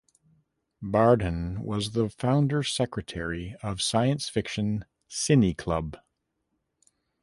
Bardhan was the founder secretary of Science fiction cine club.